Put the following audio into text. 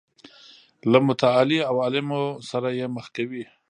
له متعالي عوالمو سره یې مخ کوي.